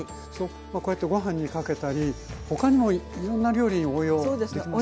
まあこうやってご飯にかけたり他にもいろんな料理に応用できますよね。